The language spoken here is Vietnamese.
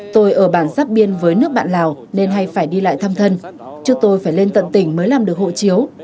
tôi ở bản giáp biên với nước bạn lào nên hay phải đi lại thăm thân trước tôi phải lên tận tỉnh mới làm được hộ chiếu